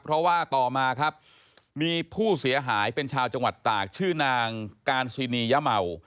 เพราะว่าต่อมาครับมีผู้เสียหายเป็นชาวจังหวัดตากชื่อนางการซินียะเมา